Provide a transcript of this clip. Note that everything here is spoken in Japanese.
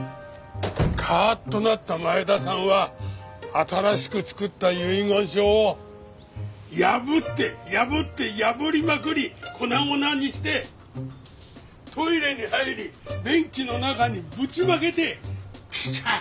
カーッとなった前田さんは新しく作った遺言書を破って破って破りまくり粉々にしてトイレに入り便器の中にぶちまけてビシャ！